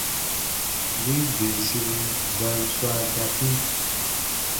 Win bensibu ba n swaa dakii.